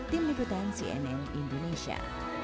tim liputan cnn indonesia